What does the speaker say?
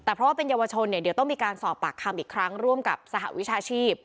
แต่เพราะว่าเป็นเยาวชนเนี่ยเดี๋ยวต้องมีการสอบปากคำอีกครั้งร่วมกับสหวิชาชีพ